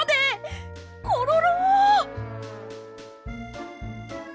コロロ！